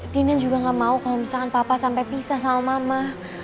dina juga gak mau kalau misalkan papa sampai pisah sama mama